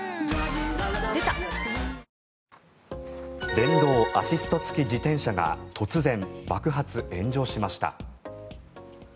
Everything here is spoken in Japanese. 電動アシスト付き自転車が突然、爆発・炎上しました。